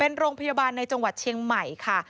เป็นโรงพยาบาลในจังหวัดเชียงใหม่ค่ะ